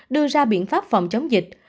đưa ra biện pháp phòng chống dịch